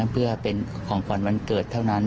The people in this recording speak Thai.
เพื่อเป็นของขวัญวันเกิดเท่านั้น